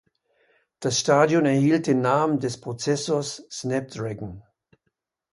Das Stadion erhielt den Namen des Prozessors Snapdragon.